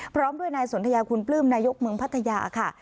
พร้อมด้วยนายสนทยาคุณปลื้มนายกเมืองพัทยาค่ะ